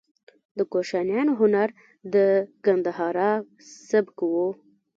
د کوشانیانو هنر د ګندهارا سبک و